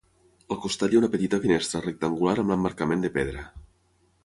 Al costat hi ha una petita finestra rectangular amb l'emmarcament de pedra.